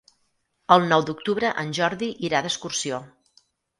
El nou d'octubre en Jordi irà d'excursió.